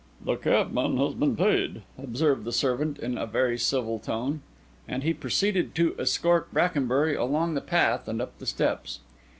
"The cabman has been paid," observed the servant in a very civil tone; and he proceeded to escort Brackenbury along the path and up the steps.